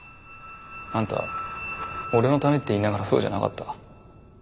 あんた俺のためって言いながらそうじゃなかった。